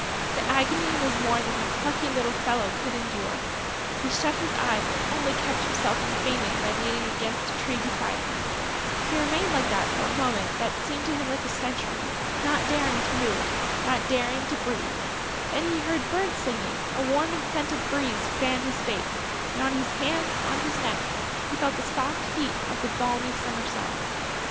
The agony was more than the plucky little fellow could endure. He shut his eyes and only kept himself from fainting by leaning against a tree beside him. He remained like that for a minute that seemed to him like a century, not daring to move, not daring to breathe. Then he heard birds singing; a warm and scented breeze fanned his face; and, on his hands, on his neck, he felt the soft heat of the balmy summer sun.